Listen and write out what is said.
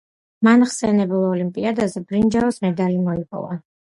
მან ხსენებულ ოლიმპიადაზე ბრინჯაოს მედალი მოიპოვა.